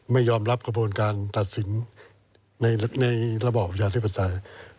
ไม่ยอมรับกระบวนการตัดสินในระบอบประชาศิษย์ประชาศาสตร์